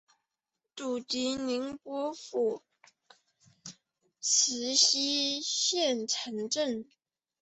祖籍宁波府慈溪县慈城镇。